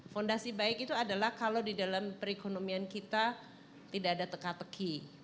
fondasi baik itu adalah kalau di dalam perekonomian kita tidak ada teka teki